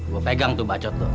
gue pegang tuh bacot lo